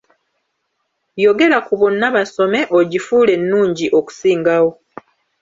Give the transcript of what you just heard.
Yogera ku 'Bonna Basome' ogifuule ennungi okusingawo.